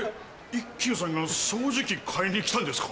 一休さんが掃除機買いに来たんですか？